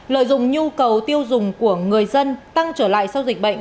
lợi dụng nhu cầu tiêu dùng của người dân tăng trở lại sau dịch bệnh